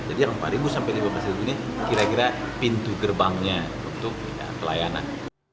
jadi rp empat sampai rp lima belas ini kira kira pintu gerbangnya untuk pelayanan